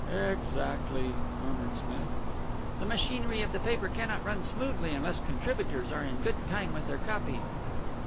"Exactly," murmured Smith. "The machinery of the paper cannot run smoothly unless contributors are in good time with their copy."